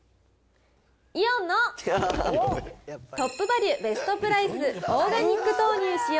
イオンのトップバリュベストプライスオーガニック豆乳使用